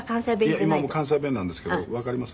いや今もう関西弁なんですけどわかります？